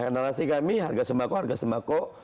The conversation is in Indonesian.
narasi kami harga sembako harga sembako